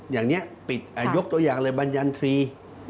อย่างนี้ปิดยกตัวอย่างเลยบรรยันทรี